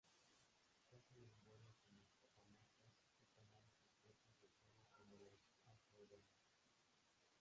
Cazan en vuelo como papamoscas, o tomando sus presas del suelo como los alcaudones.